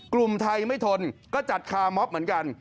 กลุ่มไทยไม่ทนก็จัดคาร์มอบเหมือนกัน